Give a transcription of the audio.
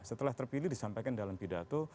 setelah terpilih disampaikan dalam pidato